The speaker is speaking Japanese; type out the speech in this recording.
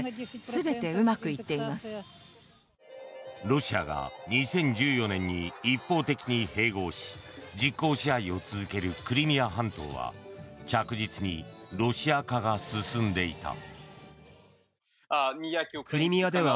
ロシアが２０１４年に一方的に併合し実効支配を続けるクリミア半島は着実にロシア化が進んでいた。